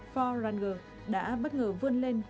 ford ranger đã bất ngờ vươn lên